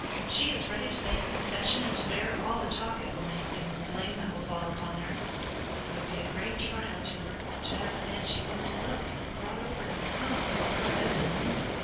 She is ready to make her confession and to bear all the talk it will make and the blame that will fall upon her; but it would be a great trial to her to have the man she once loved brought over and hung upon her evidence."